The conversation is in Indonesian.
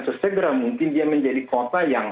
sesegera mungkin dia menjadi kota yang